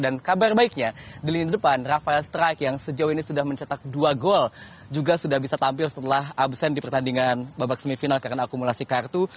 dan kabar baiknya di lini depan rafael stryk yang sejauh ini sudah mencetak dua gol juga sudah bisa tampil setelah absen di pertandingan babak semifinal karena akumulasi kartu